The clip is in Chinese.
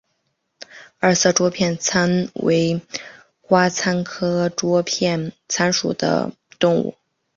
二色桌片参为瓜参科桌片参属的动物。